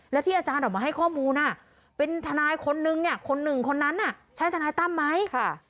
แล้วที่อาจารย์ออกมาให้ข้อมูลเป็นทนายคนนึงเนี่ยคนหนึ่งคนนั้นน่ะใช่ทนายตั้มไหม